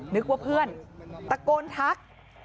นึกว่าเพื่อนตะโกนทัก